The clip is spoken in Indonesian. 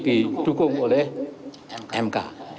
didukung oleh mk